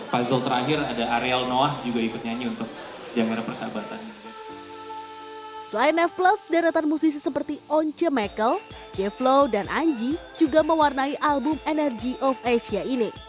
selain nef plus dan datan musisi seperti once mekel j flow dan anji juga mewarnai album energy of asia ini